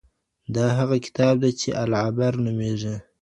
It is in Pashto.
دا هغه کتاب دی چي العبر نومېږي.